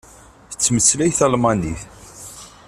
Tettmeslay talmanit.